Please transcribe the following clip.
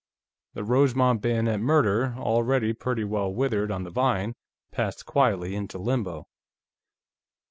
The Rosemont Bayonet Murder, already pretty well withered on the vine, passed quietly into limbo.